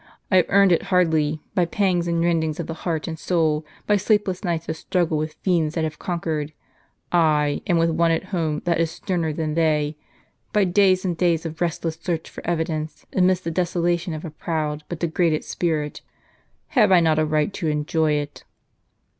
I have earned it hardly, by pangs and rendings of the heart and soul, by sleepless nights of struggles with fiends that have con quered ; ay, and with one at home that is sterner than they ; by days and days of restless search for evidence, amidst the desolation of a proud, but degraded spirit. Have I not a right to enjoy it